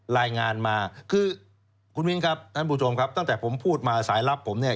รายงานมาคือคุณมิ้นครับท่านผู้ชมครับตั้งแต่ผมพูดมาสายลับผมเนี่ย